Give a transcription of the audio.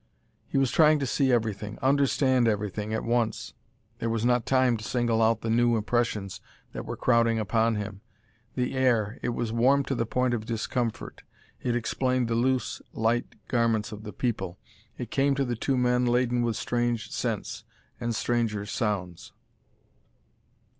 He was trying to see everything, understand everything, at once. There was not time to single out the new impressions that were crowding upon him. The air it was warm to the point of discomfort; it explained the loose, light garments of the people; it came to the two men laden with strange scents and stranger sounds.